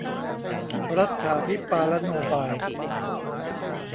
รัฏฐาภิปาลโนบาย